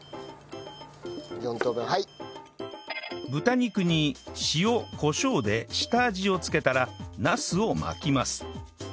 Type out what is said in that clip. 豚肉に塩・コショウで下味をつけたらなすを巻きます